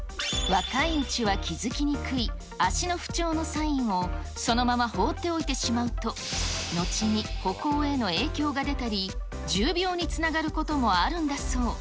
若いうちは気付きにくい、足の不調のサインをそのまま放っておいてしまうと、後に歩行への影響が出たり、重病につながることもあるんだそう。